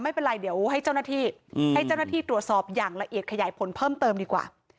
ไม่เป็นไรเดี๋ยวให้เจ้าหน้าที่ตรวจสอบอย่างละเอียดขยายผลเพิ่มเติมดีกว่า